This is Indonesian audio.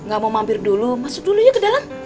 ga mau mampir dulu masuk dulu ya ke dalam